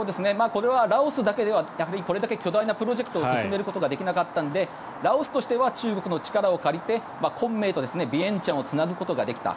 これはラオスだけではこれだけ巨大なプロジェクトを進めることはできなかったのでラオスとしては中国の力を借りて昆明とビエンチャンをつなぐことができた。